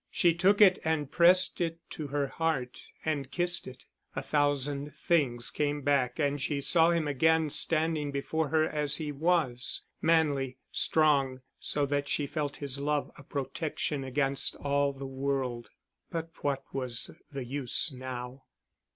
She took it and pressed it to her heart, and kissed it. A thousand things came back and she saw him again standing before her as he was, manly, strong, so that she felt his love a protection against all the world. But what was the use now?